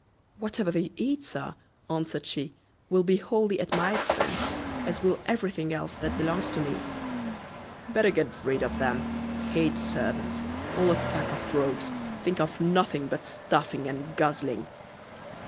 "Whatever they eat, Sir," answered she, "will be wholly at my expence, as will everything else that belongs to them." "Better get rid of them; hate servants; all a pack of rogues; think of nothing but stuffing and guzzling."